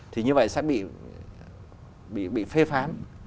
thì như vậy sẽ bị phê phán